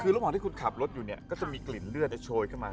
คือระหว่างที่คุณขับรถอยู่เนี่ยก็จะมีกลิ่นเลือดโชยขึ้นมา